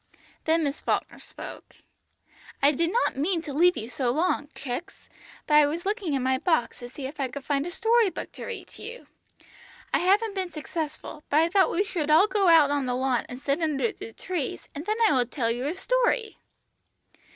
Then Miss Falkner spoke. "I did not mean to leave you so long, chicks, but I was looking in my box to see if I could find a story book to read to you. I haven't been successful, but I thought we would all go out on the lawn and sit under the trees, and then I would tell you a story!"